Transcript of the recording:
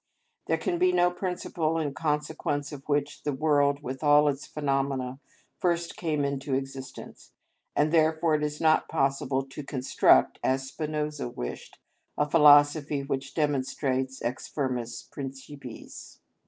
There can be no principle in consequence of which the world with all its phenomena first came into existence, and therefore it is not possible to construct, as Spinoza wished, a philosophy which demonstrates ex firmis principiis.